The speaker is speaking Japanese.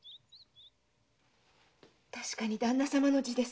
確かに旦那様の字です。